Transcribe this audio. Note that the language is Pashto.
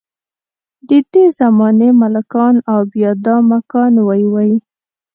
ددې زمانې ملکان او بیا دا ملکان وۍ وۍ.